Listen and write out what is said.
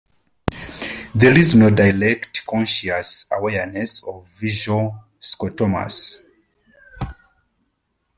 There is no direct conscious awareness of visual scotomas.